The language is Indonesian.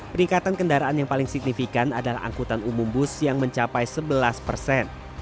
peningkatan kendaraan yang paling signifikan adalah angkutan umum bus yang mencapai sebelas persen